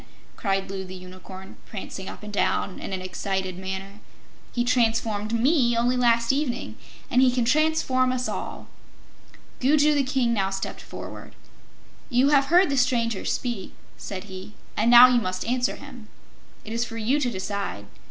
cried Loo the Unicorn, prancing up and down in an excited manner. "He transformed ME, only last evening, and he can transform us all." Gugu the King now stepped forward. "You have heard the stranger speak," said he, "and now you must answer him. It is for you to decide.